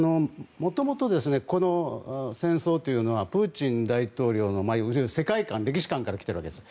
もともとこの戦争というのはプーチン大統領の世界観歴史観からきているわけです。